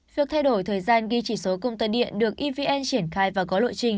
việc thay đổi thời gian ghi chỉ số công tơ điện được evn triển khai và có lộ trình